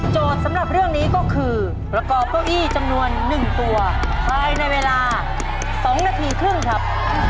สำหรับเรื่องนี้ก็คือประกอบเก้าอี้จำนวน๑ตัวภายในเวลา๒นาทีครึ่งครับ